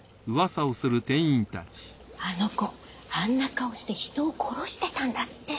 あの子あんな顔して人を殺してたんだって。